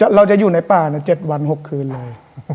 เราจะอยู่ในป่า๗วัน๖คืนเลย